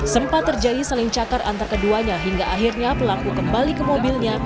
sempat terjadi saling cakar antar keduanya hingga akhirnya pelaku kembali ke mobilnya